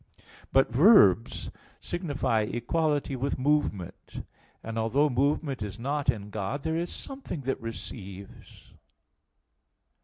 But verbs signify equality with movement. And although movement is not in God, there is something that receives.